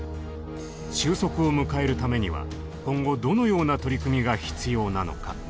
終息を迎えるためには今後どのような取り組みが必要なのか。